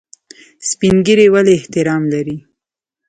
سپین ږیری ولې احترام لري؟